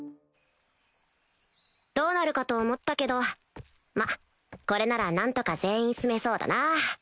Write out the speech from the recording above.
どうなるかと思ったけどまっこれなら何とか全員住めそうだな